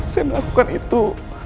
saya melakukan itu